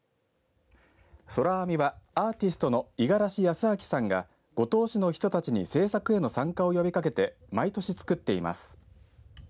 そらあみはアーティストの五十嵐靖晃さんが五島市の人たちに制作への参加を呼びかけて毎年作っています。